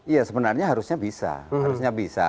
iya sebenarnya harusnya bisa